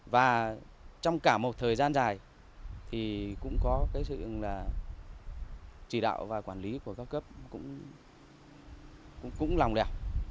và trong cả một thời gian dài thì cũng có cái sự là chỉ đạo và quản lý của các cấp cũng lòng lẻo